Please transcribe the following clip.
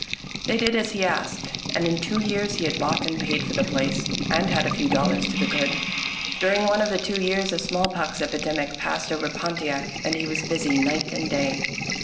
They did as he asked, and in two years he had bought and paid for the place, and had a few dollars to the good. During one of the two years a smallpox epidemic passed over Pontiac, and he was busy night and day.